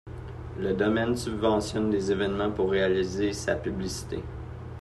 Le domaine subventionne des événements pour réaliser sa publicité.